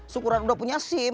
syukuran udah punya sim